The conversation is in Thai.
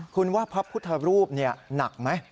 คุณว่าพระพุทธรูปหนักไหม